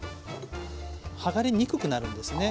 はがれにくくなるんですね。